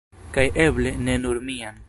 Kaj eble, ne nur mian.